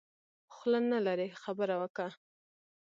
خوله نلرې خبره وکه.